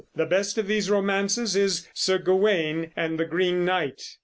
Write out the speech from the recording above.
The best of these romances is Sir Gawain and the Green Knight.